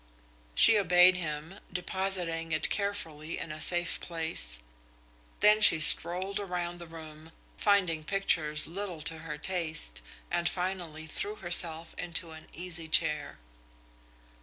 She obeyed him, depositing it carefully in a safe place. Then she strolled around the room, finding pictures little to her taste, and finally threw herself into an easy chair.